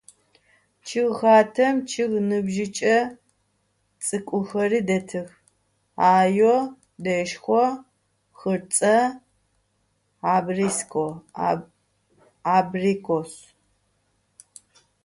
Ççıgxatem ççıg nıbjıç'e ts'ık'uxeri detıx: ayo, deşşxo, xhırtse, abrikos.